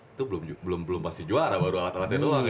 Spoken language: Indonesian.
itu belum pasti juara baru alat alatnya doang ya